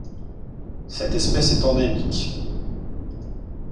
Cette espèce est endémique.